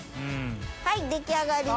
はい出来上がりです。